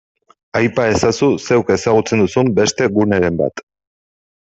Aipa ezazu zeuk ezagutzen duzun beste guneren bat.